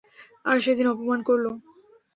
আর সেদিন অপমান করলো।